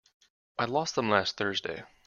I lost them last Thursday.